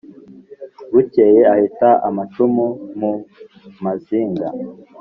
bukeye aheta amacumu mu mazinga